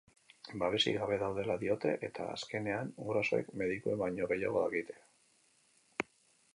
Babesik gabe daudela diote eta, azkenean, gurasoek medikuek baino gehiago dakite.